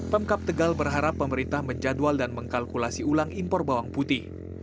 pemkap tegal berharap pemerintah menjadwal dan mengkalkulasi ulang impor bawang putih